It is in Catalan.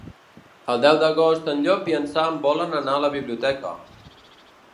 El deu d'agost en Llop i en Sam volen anar a la biblioteca.